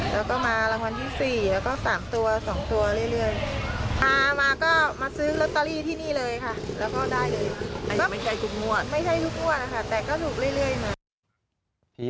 แล้วก็มารางวัลที่๔แล้วก็๓ตัว๒ตัวเรื่อย